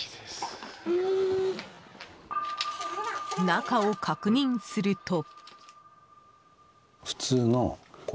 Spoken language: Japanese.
中を確認すると。